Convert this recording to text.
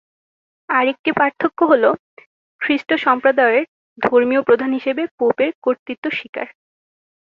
আর একটি পার্থক্য হল খ্রিস্ট সম্প্রদায়ের ধর্মীয় প্রধান হিসেবে পোপের কর্তৃত্ব স্বীকার।